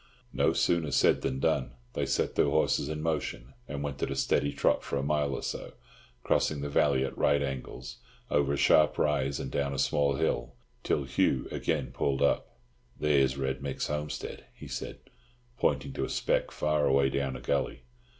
No sooner said than done. They set their horses in motion, and went at a steady trot for a mile or so, crossing the valley at right angles, over a sharp rise and down a small hill, till Hugh again pulled up. "There's Red Mick's homestead," he said, pointing to a speck far away down a gully.